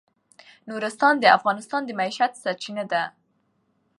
نورستان د افغانانو د معیشت سرچینه ده.